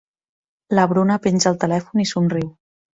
La Bruna penja el telèfon i somriu.